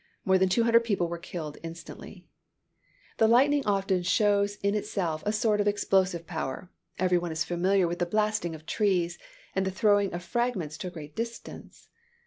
More than two hundred people were instantly killed. The lightning often shows in itself a sort of explosive power. Every one is familiar with the blasting of trees, and the throwing of fragments to a great distance.